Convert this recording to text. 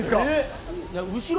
後ろ